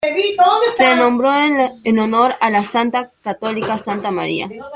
Se nombró en honor a la santa católica Santa María.